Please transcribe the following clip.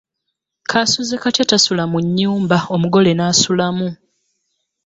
Kaasuzekatya tasula mu nnyumba omugole n’asulamu